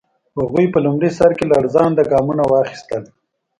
هغوی په لومړي سر کې لړزانده ګامونه واخیستل.